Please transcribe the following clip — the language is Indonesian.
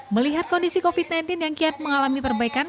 melihat kondisi covid sembilan belas yang kiat mengalami perbaikan